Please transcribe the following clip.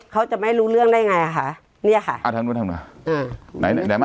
เค้าจะไม่รู้ได้ไงนี่คะ